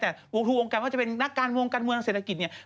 แต่วงครูวงการว่าจะเป็นนักการวงการเมืองเศรษฐกิจเนี่ย